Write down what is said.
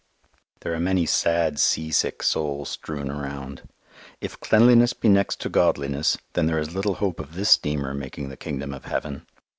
There are many sad, seasick souls strewn around. If cleanliness be next to godliness, then there is little hope of this steamer making the Kingdom of Heaven.